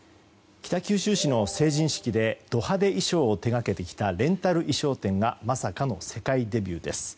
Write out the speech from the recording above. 北九州市の成人式でド派手衣装を手掛けてきたレンタル衣装店がまさかの世界デビューです。